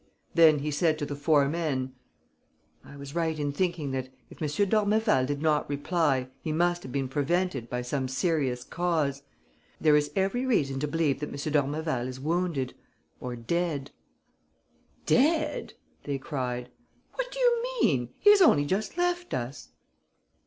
Then he said to the four men: "I was right in thinking that, if M. d'Ormeval did not reply, he must have been prevented by some serious cause. There is every reason to believe that M. d'Ormeval is wounded ... or dead." "Dead!" they cried. "What do you mean? He has only just left us."